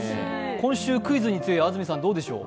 今週クイズに強い安住さん、どうでしょう？